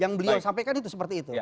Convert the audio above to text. yang beliau sampaikan itu seperti itu